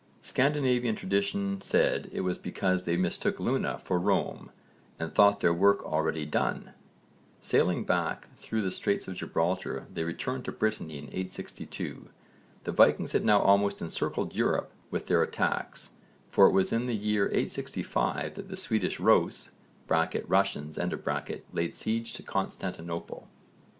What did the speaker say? Scandinavian tradition said it was because they mistook Luna for Rome and thought their work already done! Sailing back through the Straits of Gibraltar they returned to Brittany in 862. The Vikings had now almost encircled Europe with their attacks, for it was in the year 865 that the Swedish Rhôs (Russians) laid siege to Constantinople.